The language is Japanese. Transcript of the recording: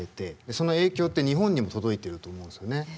その影響って日本にも届いてると思うんですよね。